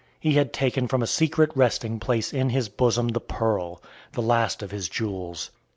He had taken from a secret resting place in his bosom the pearl, the last of his jewels.